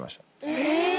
えっ！